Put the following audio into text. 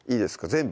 全部？